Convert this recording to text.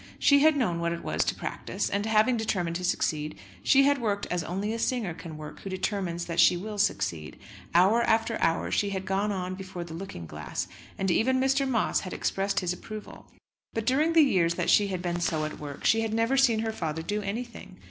She had known what it was to practise, and, having determined to succeed, she had worked as only a singer can work who determines that she will succeed. Hour after hour she had gone on before the looking glass, and even Mr. Moss had expressed his approval. But during the years that she had been so at work, she had never seen her father do anything.